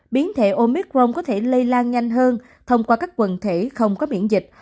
biến thể omicron có thể lây lan nhanh hơn thông qua các quần thể không có miễn dịch